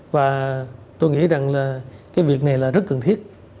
và tôi nghĩ rằng là cái việc này là rất cần thiết